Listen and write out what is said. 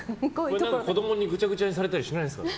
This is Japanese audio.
子供にぐちゃぐちゃにされたりしないんですか？